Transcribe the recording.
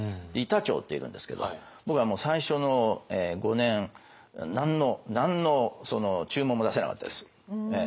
板長っているんですけど僕はもう最初の５年何の何の注文も出せなかったです。